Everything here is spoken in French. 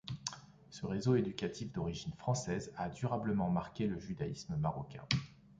Ce réseau éducatif d'origine française a durablement marqué le judaïsme marocain.